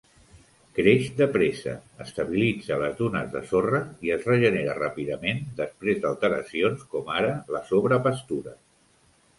Creix de pressa, estabilitza les dunes de sorra i es regenera ràpidament després d'alteracions com ara la sobrepastura.